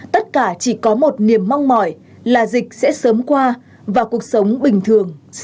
tất cả chỉ có một niềm mong mỏi là dịch sẽ sớm qua và cuộc sống bình thường sẽ trở lại